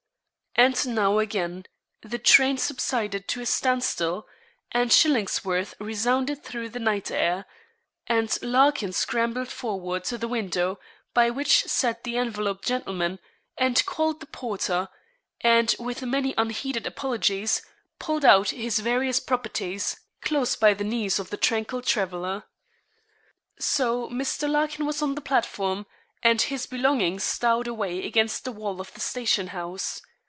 And now, again, the train subsided to a stand still, and Shillingsworth resounded through the night air, and Larkin scrambled forward to the window, by which sat the enveloped gentleman, and called the porter, and, with many unheeded apologies, pulled out his various properties, close by the knees of the tranquil traveller. So, Mr. Larkin was on the platform, and his belongings stowed away against the wall of the station house.